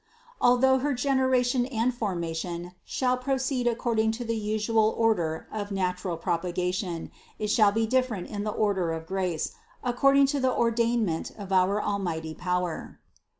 Although her gener ation and formation shall proceed according to the usual order of natural propagation, it shall be different in the order of grace, according to the ordainment of our Al mighty power."